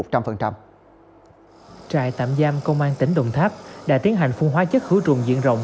trại tạm giam công an tỉnh đồng tháp đã tiến hành phun hóa chất khử trùng diện rộng